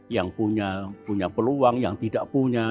yang punya peluang yang tidak punya